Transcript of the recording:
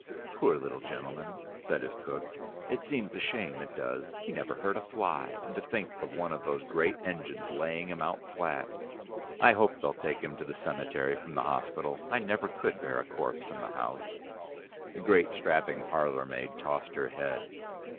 "Poor little gentleman," said his cook. "It seems a shame it does. He never hurt a fly, and to think of one of those great engines laying him out flat. I hope they'll take him to the cemetery from the hospital: I never could bear a corpse in the house." The great strapping parlour maid tossed her head.